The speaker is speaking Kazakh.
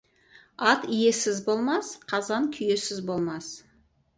Ат иесіз болмас, қазан күйесіз болмас.